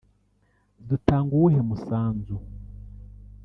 Dutanga uwuhe musanzu